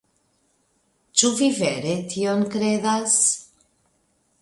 Ĉu vi vere tion kredas?